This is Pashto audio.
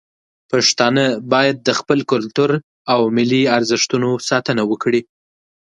پښتانه باید د خپل کلتور او ملي ارزښتونو ساتنه وکړي.